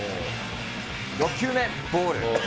６球目ボール。